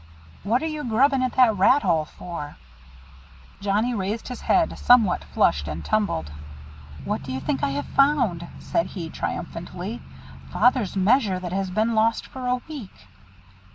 What are you grubbing at that rat hole for?" Johnnie raised his head somewhat flushed and tumbled. "What do you think I have found?" said he triumphantly. "Father's measure that has been lost for a week!"